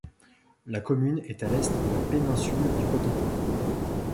La commune est à l'est de la péninsule du Cotentin.